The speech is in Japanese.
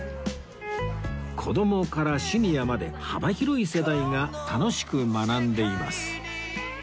子供からシニアまで幅広い世代が楽しく学んでいます